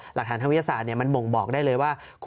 เพราะถ้าเข้าไปอ่านมันจะสนุกมาก